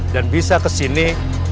dan bisa kesini